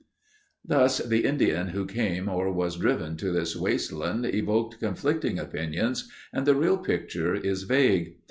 Thus the Indian who came or was driven to this wasteland evoked conflicting opinions and the real picture is vague.